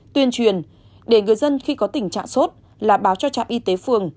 tuyên truyền để người dân khi có tình trạng sốt là báo cho trạm y tế phường